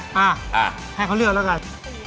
มาให้เขาเลือกแล้วกัน